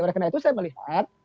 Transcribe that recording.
oleh karena itu saya melihat